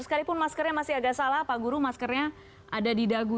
sekalipun maskernya masih agak salah pak guru maskernya ada di dagu